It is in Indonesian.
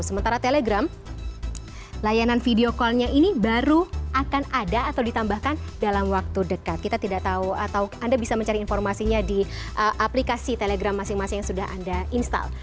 sementara telegram layanan video callnya ini baru akan ada atau ditambahkan dalam waktu dekat kita tidak tahu atau anda bisa mencari informasinya di aplikasi telegram masing masing yang sudah anda install